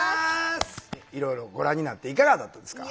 いろいろご覧になっていかがだったですか？